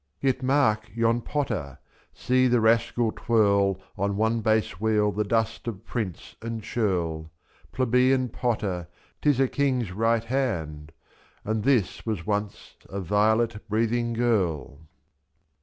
69 I Yet mark yon potter ! see the rascal twirl On one base wheel the dust of prince and churl ; S^' Plebeian potter, 'tis a king's right hand! And this was once a violet breathing girl.